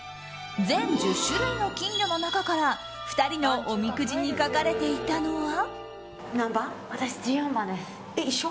全１０種類の金魚の中から２人のおみくじに書かれていたのは。